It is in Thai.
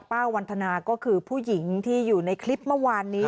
วันทนาก็คือผู้หญิงที่อยู่ในคลิปเมื่อวานนี้